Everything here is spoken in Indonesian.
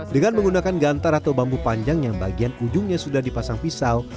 dengan menggunakan gantar atau bambu panjang yang bagian ujungnya sudah dipasang pisau